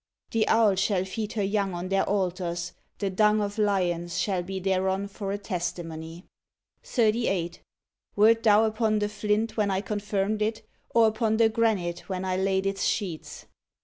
The owl shall feed her young on their altars; the dung of lions shall be thereon for a testi mony. 38. Wert thou upon the flint when I confirmed it, or upon the granite when I laid its sheets'?